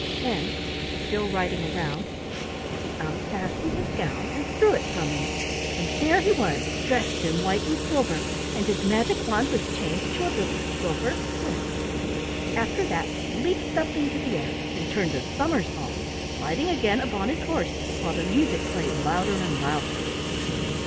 Then, still riding around, he unfastened his gown and threw it from him, and there he was dressed in white and silver, and his magic wand was changed to a little silver whip. After that he leaped up into the air, and turned a somersault, lighting again upon his horse, while the music played louder and louder.